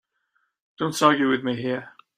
Don't argue with me here.